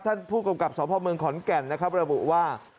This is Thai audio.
ท่านผู้กำกับสพเมืองขอนแก่นนะครับระบุว่า